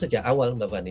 sejak awal mbak vani